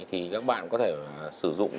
thì các bạn có thể sử dụng